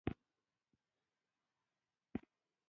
بشر ته د خدای ج د ورکړي حقونو شمېره ډېره زیاته ده.